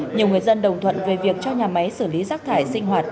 nhiều người dân đồng thuận về việc cho nhà máy xử lý rác thải sinh hoạt